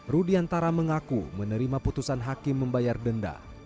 rudiantara mengaku menerima putusan hakim membayar denda